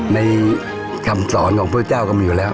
ในคำสอนของพุทธเจ้าก็มีอยู่แล้ว